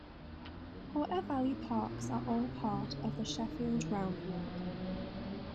Porter Valley Parks are all part of the Sheffield Round Walk.